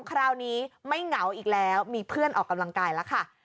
คราวนี้ไม่เหงาอีกแล้วมีเพื่อนออกกำลังกายแล้วค่ะ